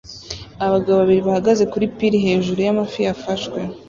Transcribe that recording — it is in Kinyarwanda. Abagabo babiri bahagaze kuri pir hejuru y'amafi yafashwe